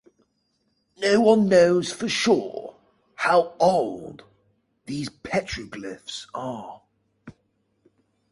No one knows for sure how old these petroglyphs are.